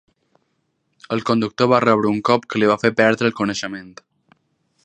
El conductor va rebre un cop que li va fer perdre el coneixement.